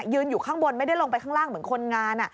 อยู่ข้างบนไม่ได้ลงไปข้างล่างเหมือนคนงาน